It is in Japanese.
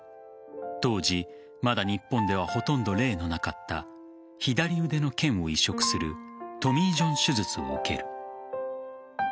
当時、まだ日本ではほとんど例のなかった左腕の腱を移植するトミー・ジョン手術を受ける。